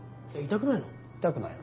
痛くないよ。